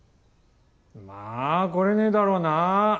まあ来られねえだろうなぁ。